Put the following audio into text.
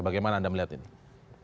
bagaimana anda melihat ini